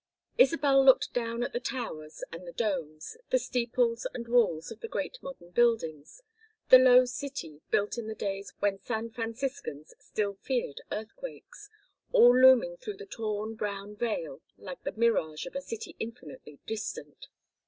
Isabel looked down at the towers and the domes, the steeples and walls of the great modern buildings, the low city built in the days when San Franciscans still feared earthquakes, all looming through the torn brown veil like the mirage of a city infinitely distant.